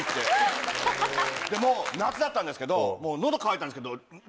夏だったんですけど喉渇いたんですけど。